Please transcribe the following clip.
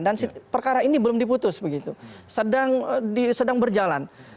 dan perkara ini belum diputus begitu sedang berjalan